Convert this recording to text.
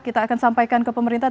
kita akan sampaikan ke pemerintah